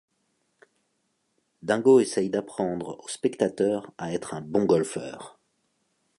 Dingo essaye d'apprendre au spectateur à être un bon golfeur.